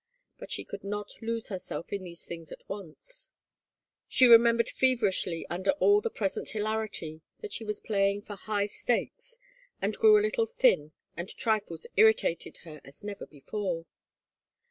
But she could not lose herself in these things at once. She remembered feverishly under all the present hilarity that she was playing for high stakes, and grew a little thin and trifles irritated her as never before.